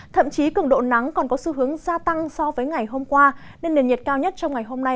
thậm chí cường độ nắng còn có xu hướng gia tăng so với ngày hôm qua nên nền nhiệt cao nhất trong ngày hôm nay